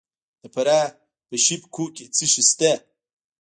د فراه په شیب کوه کې څه شی شته؟